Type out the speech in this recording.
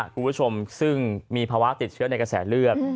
คุณผู้ชมซึ่งมีภาวะติดเชื้อในกระแสเลือด